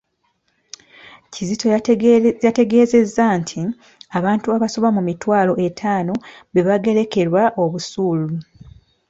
Kizito yategeezezza nti abantu abasoba mu mitwalo etaano be baagerekerwa busuulu.